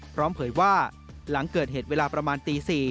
เผยว่าหลังเกิดเหตุเวลาประมาณตี๔